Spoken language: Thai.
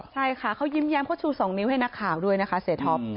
ใช่ค่ะเขายิ้มแย้มเขาชู๒นิ้วให้นักข่าวด้วยนะคะเสียท็อป